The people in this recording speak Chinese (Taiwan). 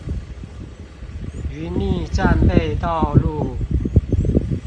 澐密戰備道路